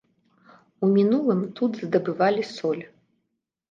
У мінулым тут здабывалі соль.